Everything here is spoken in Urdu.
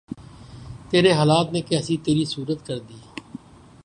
تیرے حالات نے کیسی تری صورت کر دی